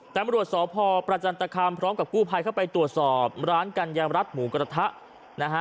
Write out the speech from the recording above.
ตำรวจสพประจันตคามพร้อมกับกู้ภัยเข้าไปตรวจสอบร้านกัญญารัฐหมูกระทะนะฮะ